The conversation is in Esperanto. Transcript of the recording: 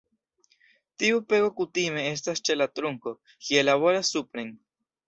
Tiu pego kutime estas ĉe la trunko, kie laboras supren.